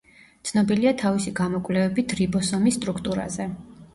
ცნობილია თავისი გამოკვლევებით რიბოსომის სტრუქტურაზე.